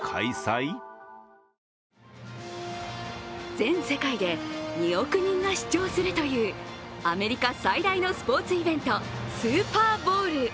全世界で２億人が視聴するというアメリカ最大のスポーツイベントスーパーボウル。